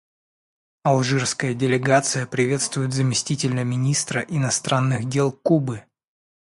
Алжирская делегация приветствует заместителя министра иностранных дел Кубы.